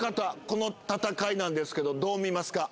この戦いなんですけどどう見ますか？